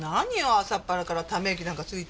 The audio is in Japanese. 朝っぱらからため息なんかついて。